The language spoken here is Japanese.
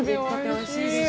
◆おいしいです。